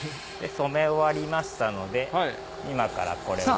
染め終わりましたので今からこれを。